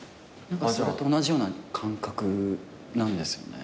それと同じような感覚なんですよね。